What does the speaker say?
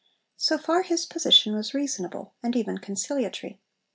So far his position was reasonable, and even conciliatory.